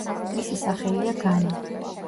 მისი სახელია „განი“.